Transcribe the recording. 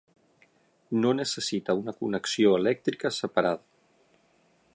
No necessita una connexió elèctrica separada.